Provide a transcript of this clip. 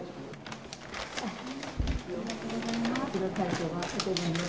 ありがとうございます。